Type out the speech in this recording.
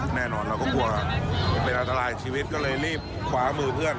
เราก็กลัวครับเป็นอันตรายชีวิตก็เลยรีบขวามือเพื่อน